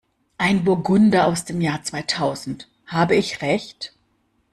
Ein Burgunder aus dem Jahr zweitausend, habe ich Recht?